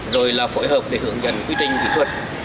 rồi là phối hợp để hướng dẫn quy trình kỹ thuật